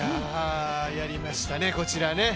やりましたね、こちらね。